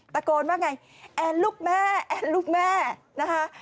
ตะโกนว่าไงแอนลูกแม่แอนลูกแม่นะคะ